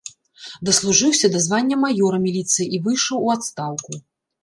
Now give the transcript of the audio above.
Даслужыўся да звання маёра міліцыі і выйшаў у адстаўку.